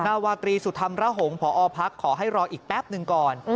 นาวาตรีสุธรรมระหงพอพักขอให้รออีกแป๊บหนึ่งก่อน